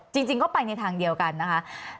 จริงก็ไปในทางเดียวกันนะคะ